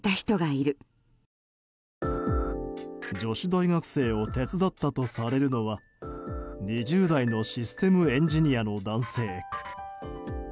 女子大学生を手伝ったとされるのは２０代のシステムエンジニアの男性。